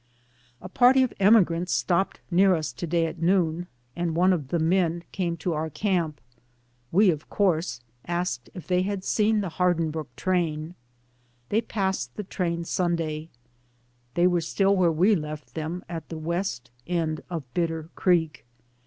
A party of emigrants stopped near us to day at noon, and one of the men came to our camp. We, of course, asked if they had seen the Hardinbrooke train. They passed the train Sunday. They were still where we left them at the west end of Bitter Creek.